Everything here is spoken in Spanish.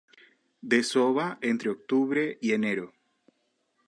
Desova entre octubre y enero.